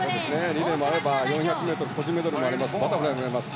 リレーもあれば４００ｍ個人メドレーバタフライもあります。